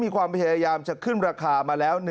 ความพยายามจะขึ้นราคามาแล้ว